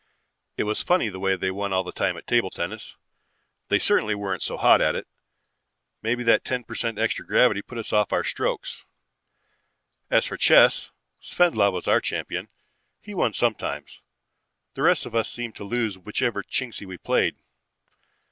"It was funny the way they won all the time at table tennis. They certainly weren't so hot at it. Maybe that ten per cent extra gravity put us off our strokes. As for chess, Svendlov was our champion. He won sometimes. The rest of us seemed to lose whichever Chingsi we played.